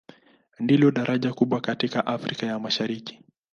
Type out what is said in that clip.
Ndilo daraja kubwa katika Afrika ya Mashariki.